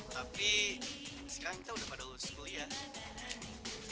tapi sekarang kita udah pada lulus kuliah